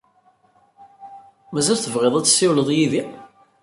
Mazal tebɣid ad tessiwled yid-i?